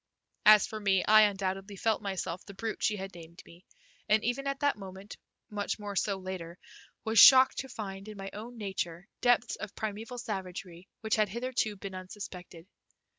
As for me, I undoubtedly felt myself the brute she had named me, and even at that moment, much more so later, was shocked to find in my own nature depths of primeval savagery which had hitherto been unsuspected.